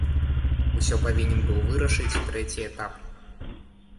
Усё павінен быў вырашыць трэці этап.